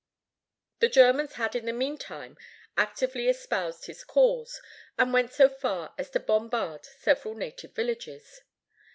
The Germans had in the meantime actively espoused his cause, and went so far as to bombard several native villages.